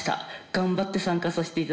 頑張って参加させていただきます。